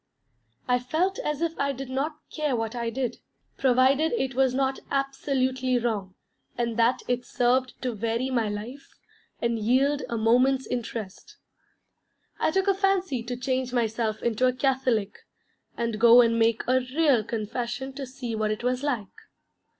I felt as if I did not care what I did, provided it was not absolutely wrong, and that it served to vary my life and yield a moment's interest. I took a fancy to change myself into a Catholic, and go and make a real Confession to see what it was like.